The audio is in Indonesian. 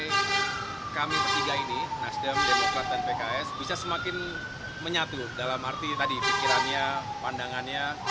partai kami ketiga ini nasdem demokrat dan pks bisa semakin menyatu dalam arti tadi pikirannya pandangannya